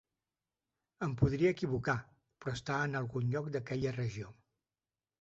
Em podria equivocar, però està en algun lloc d'aquella regió.